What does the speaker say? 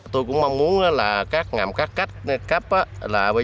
tôi cũng mong muốn các ngạm các cấp bây giờ cũng phải